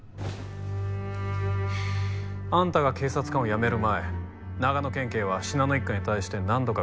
あんたが警察官を辞める前長野県警は信濃一家に対して何度かガサをかけた。